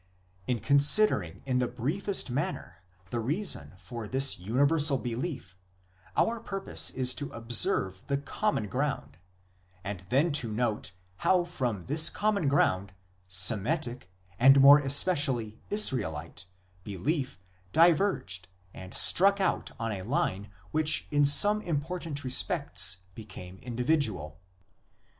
In considering in the briefest manner the reason for this universal belief our purpose is to observe the common ground, and then to note how from this common ground Semitic, and more especially Israelite, 190 IMMORTALITY THE NORMAL LOT OF MAN 191 belief diverged and struck out on a line which in some important respects became individual.